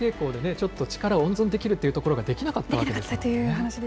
ちょっと力を温存できるっていうところができなかったという。